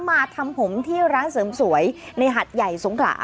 มาทำผมที่ร้านเสริมสวยในหัดใหญ่สงขลา